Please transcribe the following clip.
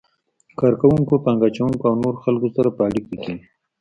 کار کوونکو، پانګه اچونکو او نورو خلکو سره په اړیکه کې وي.